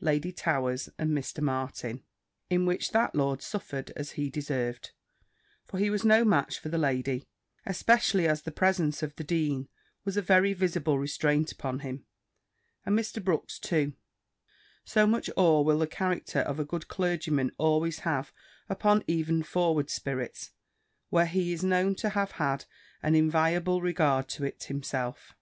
Lady Towers, and Mr. Martin, in which that lord suffered as he deserved; for he was no match for the lady, especially as the presence of the dean was a very visible restraint upon him, and Mr. Brooks too: so much awe will the character of a good clergyman always have upon even forward spirits, where he is known to have had an inviolable regard to it himself.